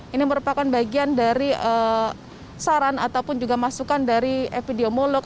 ini merupakan bagian dari saran ataupun juga masukan dari epidemiolog